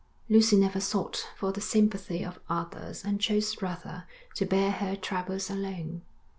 Lucy never sought for the sympathy of others and chose rather to bear her troubles alone.